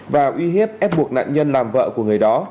và uy hiếp ép buộc nạn nhân làm vợ của người đó